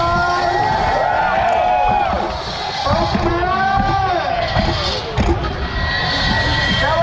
ต่อไปแล้ว